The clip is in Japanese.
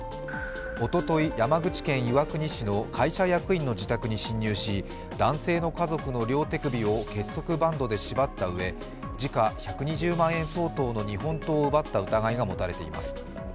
おととい、山口県岩国市の会社役員の自宅に侵入し、男性の家族の両手首を結束バンドで縛ったうえ時価１２０万円相当の日本刀を奪った疑いがもたれています。